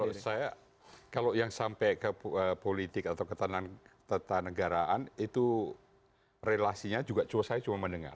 kalau saya kalau yang sampai ke politik atau ketatanegaraan itu relasinya juga saya cuma mendengar